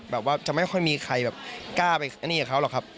แบบว่าจะไม่ค่อยมีใครแบบกล้าไปอันนี้กับเขาหรอกครับ